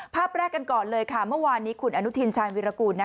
ภาพแรกกันก่อนเลยค่ะเมื่อวานนี้คุณอนุทินชาญวิรากูล